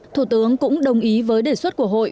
thủ tướng cũng đồng ý với đề xuất của hội